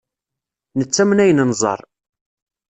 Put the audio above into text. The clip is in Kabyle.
Nettamen ayen nẓerr.